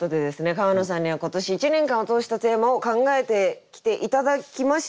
川野さんには今年１年間を通したテーマを考えてきて頂きました。